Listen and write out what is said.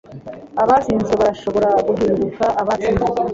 Abatsinzwe barashobora guhinduka abatsinze,